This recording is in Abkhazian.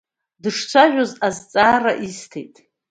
Дышцәажәоз азҵаара исҭеит…